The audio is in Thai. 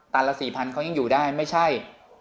ตันละ๔๐๐๐บาทเขายังอยู่ได้ไม่ใช่